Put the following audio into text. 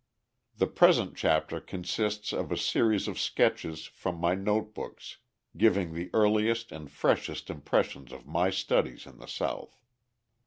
The present chapter consists of a series of sketches from my note books giving the earliest and freshest impressions of my studies in the South.